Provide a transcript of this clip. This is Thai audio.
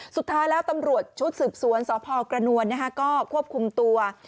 สุดท้ายแล้วตำรวจชุดสืบสวนสพกระนวลก็ควบคุมตัว